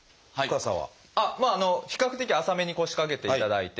まあ比較的浅めに腰掛けていただいて。